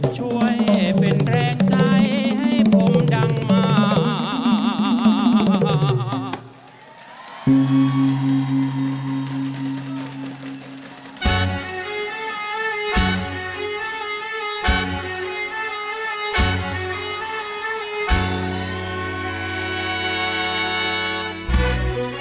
ช่วยเป็นแรงใจให้ผมดังมาก